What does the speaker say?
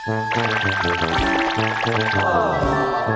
ไอ้เจ้าดีสิฮะ